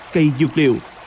cây dược liệu